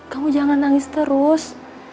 kamu jangan nangis terus